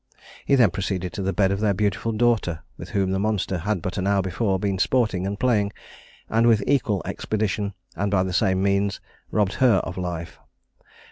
He then proceeded to the bed of their beautiful daughter, with whom the monster had but an hour before been sporting and playing, and with equal expedition, and by the same means, robbed her of life.